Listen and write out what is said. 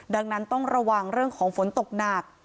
ดังนั้นต้องระวังเรื่องของฝนตกหนัก